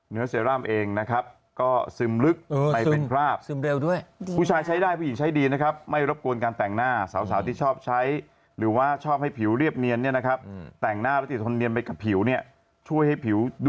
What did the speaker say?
เนื้อเซรั่มเองนะครับก็ซึมลึกไปเป็นภาพ